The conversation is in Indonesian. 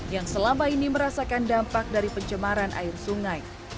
yang selama ini merasakan dampak dari pencemaran air sungai